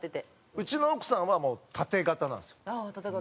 うちの奥さんはもうタテ型なんですよ。タテ型？